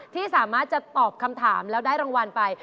ที่สามารถจะตอบคำถามแล้วได้รางวัลไป